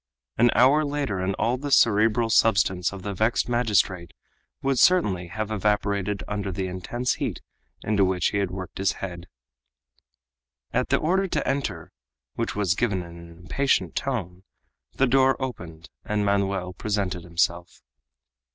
An hour later, and all the cerebral substance of the vexed magistrate would certainly have evaporated under the intense heat into which he had worked his head. At the order to enter which was given in an impatient tone the door opened and Manoel presented himself.